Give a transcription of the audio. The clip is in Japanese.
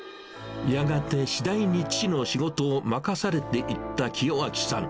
やがて次第に父の仕事を任されていった清照さん。